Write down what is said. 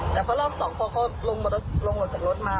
แต่พอรอบสองพอเขาลงหล่นจากรถมา